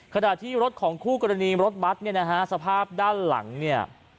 ขณะที่รถของคู่กรณีรถบัตรเนี่ยนะฮะสภาพด้านหลังเนี่ย